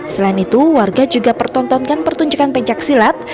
selain itu warga juga pertontonkan pertunjukan pencaksilat